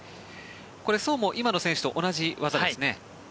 これはソウも今の選手と同じ技ですね。